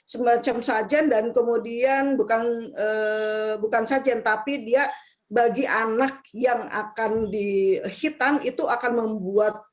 semacam sajian dan kemudian bukan sajian tapi dia bagi anak yang akan di hitan itu akan membuat